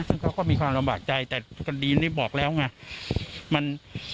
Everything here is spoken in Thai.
ซึ่งเขาก็มีความลำบากใจแต่คดีนี้บอกแล้วไง